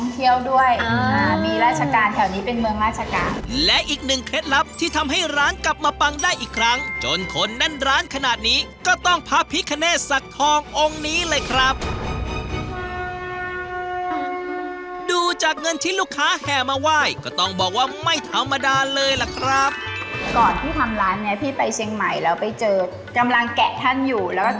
เที่ยวด้วยอ่ามีราชการแถวนี้เป็นเมืองราชการและอีกหนึ่งเคล็ดลับที่ทำให้ร้านกลับมาปังได้อีกครั้งจนคนแน่นร้านขนาดนี้ก็ต้องพระพิคเนตสักทององค์นี้เลยครับดูจากเงินที่ลูกค้าแห่มาไหว้ก็ต้องบอกว่าไม่ธรรมดาเลยล่ะครับก่อนที่ทำร้านเนี้ยพี่ไปเชียงใหม่แล้วไปเจอกำลังแกะท่านอยู่แล้วก็